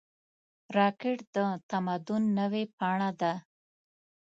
راکټ د تمدن نوې پاڼه ده